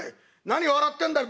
何笑ってんだい」。